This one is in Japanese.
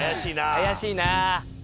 怪しいな。